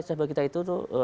saya berkata itu tuh